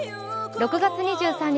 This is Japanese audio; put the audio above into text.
６月２３日